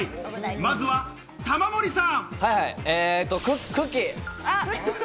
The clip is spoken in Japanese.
まずは玉森さん。